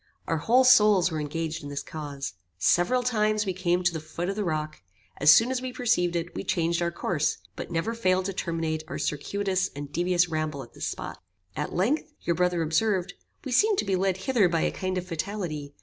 Our whole souls were engaged in this cause. Several times we came to the foot of the rock; as soon as we perceived it, we changed our course, but never failed to terminate our circuitous and devious ramble at this spot. At length your brother observed, 'We seem to be led hither by a kind of fatality.